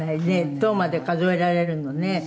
十まで数えられるのね」